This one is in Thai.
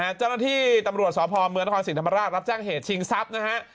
นะฮะเจ้าหน้าที่ตำรวจสอบภอมเมืองนครสิทธิ์ธรรมดารับจ้างเหตุชิงทรัพย์นะฮะ